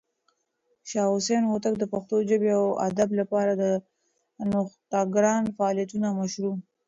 شاه حسين هوتک د پښتو ژبې او ادب لپاره د نوښتګران فعالیتونو مشر و.